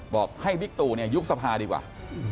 บอกให้บิ๊กตู่ยุบสภาดีกว่า